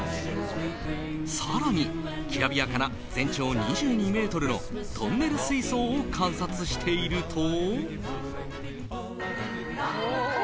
更に、きらびやかな全長２２ｍのトンネル水槽を観察していると。